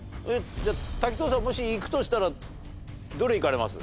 滝藤さんもしいくとしたらどれいかれます？